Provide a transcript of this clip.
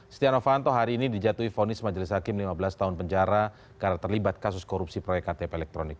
setia novanto hari ini dijatuhi vonis majelis hakim lima belas tahun penjara karena terlibat kasus korupsi proyek ktp elektronik